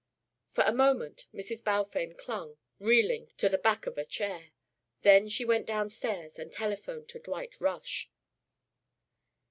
For a moment Mrs. Balfame clung, reeling, to the back of a chair. Then she went downstairs and telephoned to Dwight Rush.